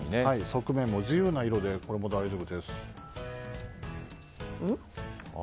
側面も自由な色で大丈夫です。